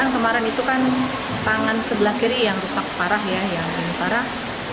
kemarin itu kan tangan sebelah kiri yang rusak parah ya yang parah